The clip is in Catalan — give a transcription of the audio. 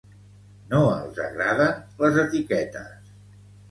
No els agraden les etiquetes.